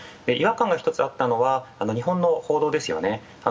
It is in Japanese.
違和感が１つあったのは、日本の報道ですよね。